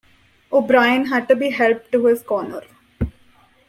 O'Brien had to be helped to his corner.